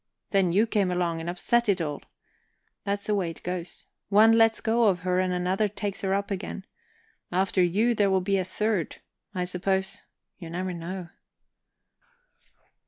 Then you came along and upset it all. That's the way it goes one lets go of her and another takes her up again. After you, there'll be a third, I suppose you never know."